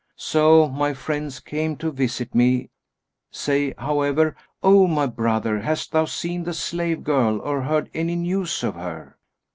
So my friends came to visit me; say, however, O my brother, hast thou seen the slave girl or heard any news of her?"